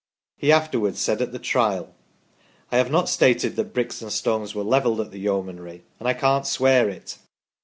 He afterwards said at the Trial : "I have not stated that bricks and stones were levelled at the Yeomanry and I can't swear it.